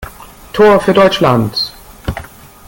Tor für Deutschland!